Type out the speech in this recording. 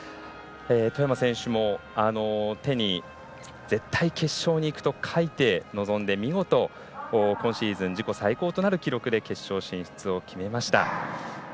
外山選手も、手に「絶対決勝に行く」と書いて臨んで見事今シーズン自己最高となる記録で決勝進出を決めました。